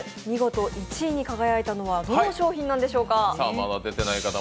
見事１位に輝いたのは、どの商品なんでしょうか？